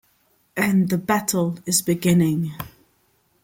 And the battle is beginning.